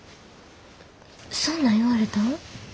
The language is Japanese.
そんなん言われたん？